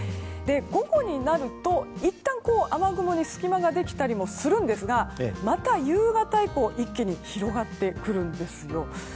午後になると、いったん雨雲に隙間ができたりもするんですがまた夕方以降一気に広がってくるんですよ。